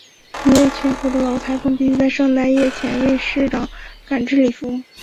一位穷苦的老裁缝必须在圣诞夜前为市长赶制礼服。